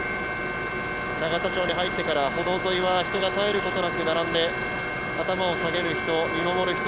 永田町に入ってから歩道は人が絶えることなく並んで頭を下げる人、見守る人